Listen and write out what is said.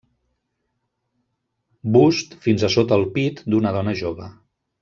Bust fins a sota el pit d'una dona jove.